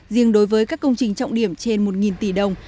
riêng đối với các công trình trọng điểm trên một tỷ đồng